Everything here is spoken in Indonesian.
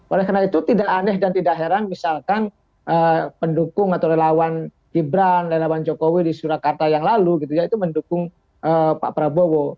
oleh karena itu tidak aneh dan tidak heran misalkan pendukung atau relawan gibran relawan jokowi di surakarta yang lalu gitu ya itu mendukung pak prabowo